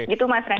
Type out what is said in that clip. gitu mas rehat